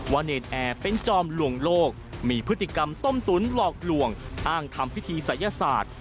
เนรนแอร์เป็นจอมลวงโลกมีพฤติกรรมต้มตุ๋นหลอกลวงอ้างทำพิธีศัยศาสตร์